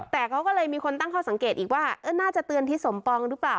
แต่เขาก็เลยมีคนตั้งข้อสังเกตอีกว่าน่าจะเตือนทิศสมปองหรือเปล่า